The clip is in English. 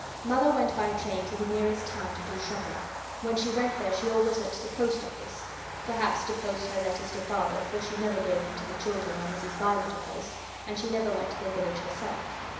Mother went by train to the nearest town to do shopping. When she went there, she always went to the Post office. Perhaps to post her letters to Father, for she never gave them to the children or Mrs. Viney to post, and she never went to the village herself.